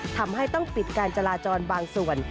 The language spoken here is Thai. ทำให้ต้องปิดการจราจรบางส่วน